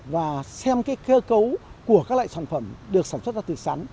và xem cái cơ cấu của các loại sản phẩm được sản xuất ra từ sắn